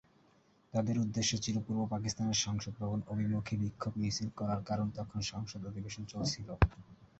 তাদের উদ্দেশ্য ছিল পূর্ব পাকিস্তানের সংসদ ভবন অভিমুখে বিক্ষোভ মিছিল করার- কারণ তখন সংসদ অধিবেশন চলছিল।